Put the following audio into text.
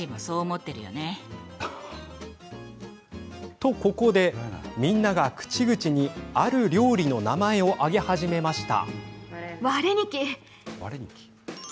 と、ここでみんなが口々にある料理の名前を挙げ始めました。